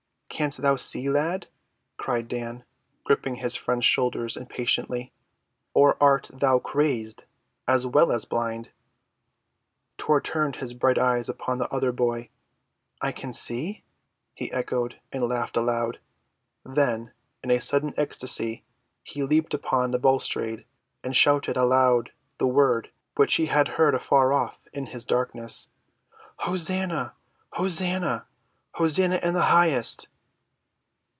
"Canst thou see, lad?" cried Dan, griping his friend's shoulders impatiently, "or art thou crazed as well as blind?" Tor turned his bright eyes upon the other boy. "Can I see?" he echoed, and laughed aloud. Then, in a sudden ecstasy, he leaped upon a balustrade and shouted aloud the word which he had heard afar off in his darkness: "Hosanna! Hosanna! Hosanna in the highest!"